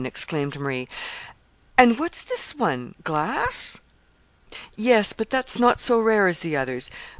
exclaimed Marie. "And what's this one? glass?" "Yes; but that's not so rare as the others.